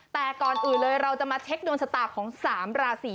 แต่ก่อนอื่นเลยเราจะมาเช็คดวงชะตาของ๓ราศี